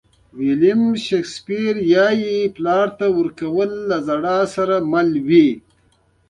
ویلیام شکسپیر وایي پلار ته ورکول له ژړا سره مل وي.